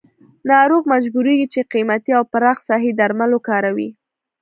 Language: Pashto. ناروغ مجبوریږي چې قیمتي او پراخ ساحې درمل وکاروي.